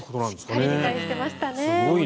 しっかり理解してましたね。